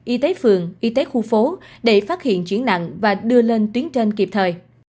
y tế phường y tế khu phố để phát hiện chuyển nặng và đưa lên tuyến trên kịp thời